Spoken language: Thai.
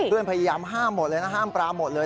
เพื่อนพยายามห้ามหมดเลยห้ามปราหมดเลย